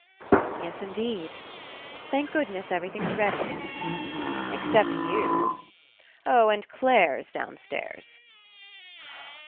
"Yes indeed. Thank goodness, every thing's ready." "Except you. Oh, and Clare's down stairs."